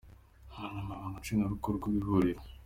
Umunyamabanga Nshingwabikorwa w’ihuriro.